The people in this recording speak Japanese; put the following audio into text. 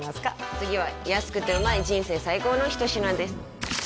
次は安くてうまい人生最高の一品です